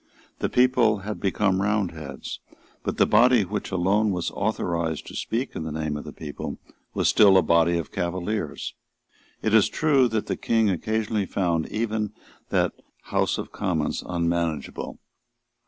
The people had become Roundheads; but the body which alone was authorised to speak in the name of the people was still a body of Cavaliers. It is true that the King occasionally found even that House of Commons unmanageable.